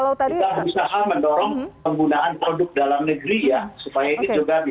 supaya ini juga bisa membuat impact dari nasional